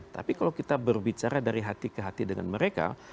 tapi kalau kita berbicara dari hati ke hati dengan mereka